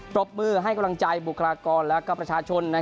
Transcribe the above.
รบมือให้กำลังใจบุคลากรและประชาชน